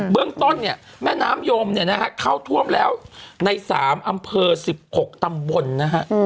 เบื้องต้นเนี่ยแม่น้ำโยมเข้าท่วมแล้วใน๓อำเภอ๑๖ตำบลนะฮะ